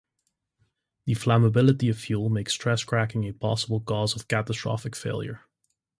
The flammability of fuel makes stress cracking a possible cause of catastrophic failure.